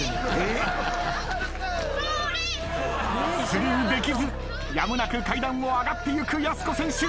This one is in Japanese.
スルーできずやむなく階段を上がっていくやす子選手。